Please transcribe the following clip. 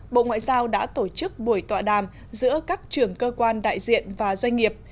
bộ ngoại giao đã tổ chức buổi tọa đàm giữa các trưởng cơ quan đại diện và doanh nghiệp